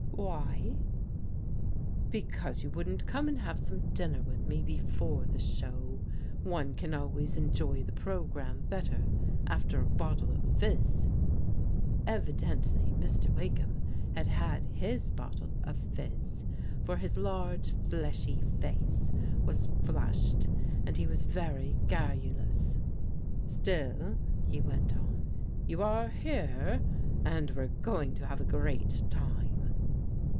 "Why?" "Because you wouldn't come and have some dinner with me before the show. One can always enjoy the programme better after a bottle of fizz." Evidently Mr. Wakeham had had his bottle of fizz, for his large fleshy face was flushed and he. was very garrulous. " Still," he went on, " you are here, and we're going to have a great time."